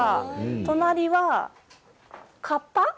隣は、かっぱ？